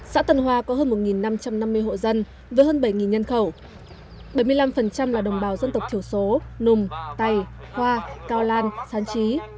xã tân hoa có hơn một năm trăm năm mươi hộ dân với hơn bảy nhân khẩu bảy mươi năm là đồng bào dân tộc thiểu số nùng tày khoa cao lan sán trí